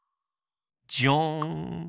ジャン！